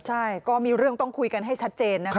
ใช่ก็มีเรื่องต้องคุยกันให้ชัดเจนนะคะ